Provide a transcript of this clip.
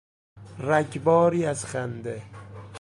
رگباری از خنده